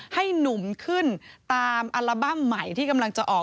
ให้หนุ่มขึ้นตามอัลบั้มใหม่ที่กำลังจะออก